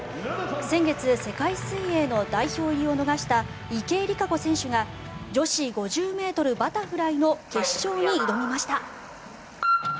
先月、世界水泳の代表入りを逃した池江璃花子選手が女子５０ｍバタフライの決勝に挑みました。